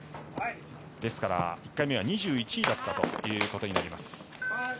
１回目は２１位だったということになります。